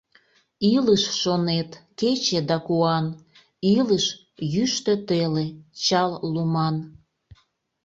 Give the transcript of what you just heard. Илыш, шонет, кече да куан, Илыш — йӱштӧ теле, чал луман.